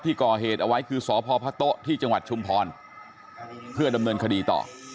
ก่อเหตุเอาไว้คือสพพะโต๊ะที่จังหวัดชุมพรเพื่อดำเนินคดีต่อ